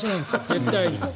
絶対に。